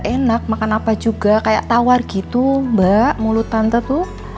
enak makan apa juga kayak tawar gitu mbak mulut tante tuh